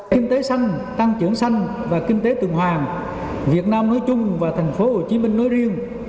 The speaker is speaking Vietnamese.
kinh tế xanh tăng trưởng xanh và kinh tế tường hoàng việt nam nói chung và thành phố hồ chí minh nói riêng